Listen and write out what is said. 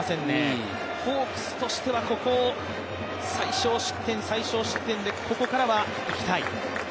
ホークスとしてはここを最少失点でここからはいきたい。